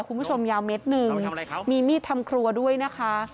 คุณผู้ชมยาวเม็ดหนึ่งมีมีดทำครัวด้วยนะคะ